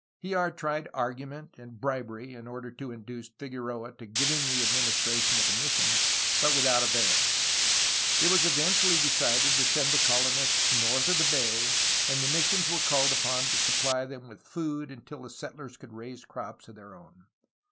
Hljar tried argument and bribery in order to induce Figueroa to give him the administration of the missions, but without avail. It was eventually decided to send the colon ists north of the bay, and the missions were called upon to supply them with food until the settlers could raise crops of their own.